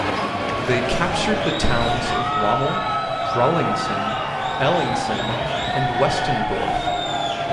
They captured the towns of Wamel, Brullinggsen, Ellingsen, and Westendorf.